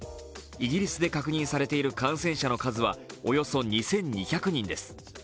イギリスで確認されている感染者の数はおよそ２２００人です。